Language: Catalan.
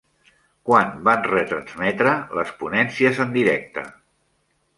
Quan van retransmetre les ponències en directe?